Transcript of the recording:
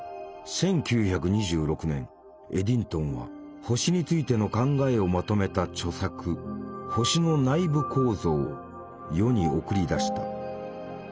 エディントンは星についての考えをまとめた著作「星の内部構造」を世に送り出した。